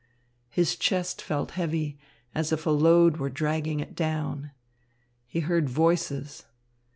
His chest felt heavy, as if a load were dragging it down. He heard voices.